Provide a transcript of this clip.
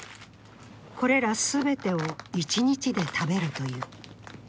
これら全てを一日で食べるという。